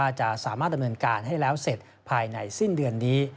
จะสามารถดำเนินการให้แล้วเสร็จภายในสิ้นเดือนนี้